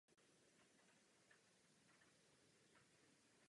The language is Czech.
Kdy řekneme, že tento přístup je nepřijatelný?